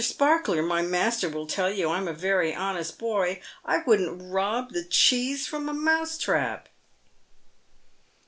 Sparkler, my master, will tell you I'm a very honest boy. I wouldn't rob the cheese from a mousetrap."